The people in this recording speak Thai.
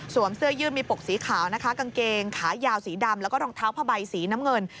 เสื้อยืดมีปกสีขาวนะคะกางเกงขายาวสีดำแล้วก็รองเท้าผ้าใบสีน้ำเงิน